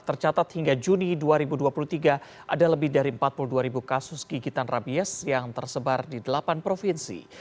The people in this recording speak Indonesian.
tercatat hingga juni dua ribu dua puluh tiga ada lebih dari empat puluh dua ribu kasus gigitan rabies yang tersebar di delapan provinsi